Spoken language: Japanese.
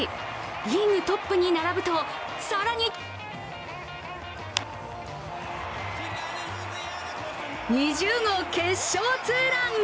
リーグトップに並ぶと更に２０号決勝ツーラン。